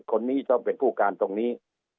คนนี้ต้องเป็นผู้การตรงนี้